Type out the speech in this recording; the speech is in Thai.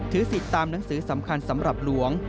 สิทธิ์ตามหนังสือสำคัญสำหรับหลวง